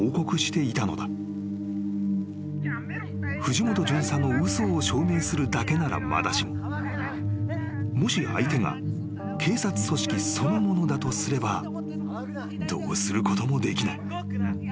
［藤本巡査の嘘を証明するだけならまだしももし相手が警察組織そのものだとすればどうすることもできない］